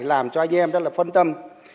làm cho anh em rất là phân tâm